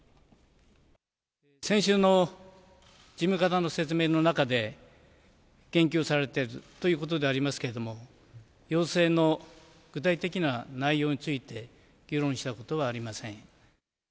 先週の事務方の説明の中で言及されているということでありますけれども、要請の具体的な内容について、議論したことはありません。